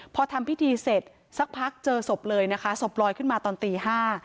พอทำพิธีเสร็จสักพักเจอศพเลยนะคะศพลอยขึ้นมาตอนตีห้า